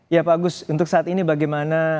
ya pak agus untuk saat ini bagaimana